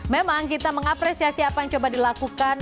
memang kita mengapresiasi apa yang coba dilakukan